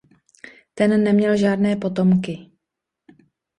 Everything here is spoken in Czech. Ten neměl žádné potomky.